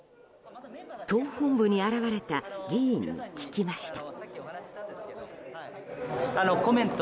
党本部に現れた議員に聞きました。